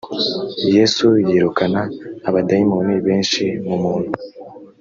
yesu yirukana abadayimoni benshi mu muntu